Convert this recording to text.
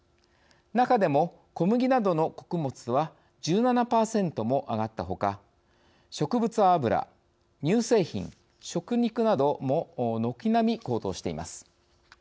中でも、小麦などの穀物は１７％も上がったほか植物油、乳製品、食肉なども軒並み高騰しています。